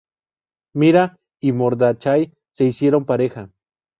Mira y Mordechai se hicieron pareja.